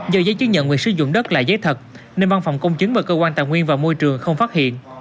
do giấy chứng nhận quyền sử dụng đất là giấy thật nên văn phòng công chứng và cơ quan tài nguyên và môi trường không phát hiện